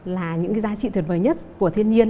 là những cái giá trị tuyệt vời nhất của thiên nhiên